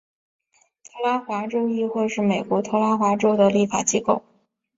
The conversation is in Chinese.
特拉华州议会是美国特拉华州的立法机构。